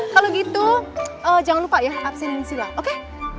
kalau gitu jangan lupa ya arsenin sila oke